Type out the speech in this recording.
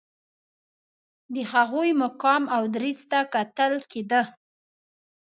د هغوی مقام او دریځ ته کتل کېده.